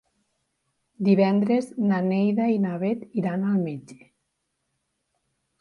Divendres na Neida i na Bet iran al metge.